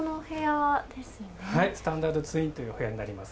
はい、スタンダードツインというお部屋になります。